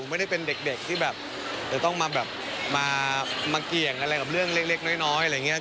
ไม่ได้เป็นเด็กที่แบบจะต้องมาแบบมาเกี่ยงอะไรกับเรื่องเล็กน้อยอะไรอย่างนี้